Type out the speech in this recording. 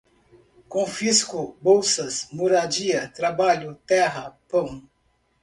Confisco, bolsas, moradia, trabalho, terra, pão